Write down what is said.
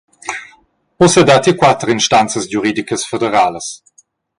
Ussa datti quater instanzas giuridicas federalas.